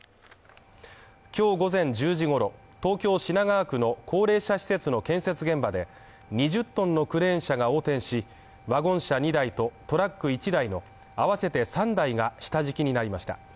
今日午前１０時ごろ、東京品川区の高齢者施設の建設現場で２０ｔのクレーン車が横転し、ワゴン車２台とトラック１台のあわせて３台が下敷きになりました。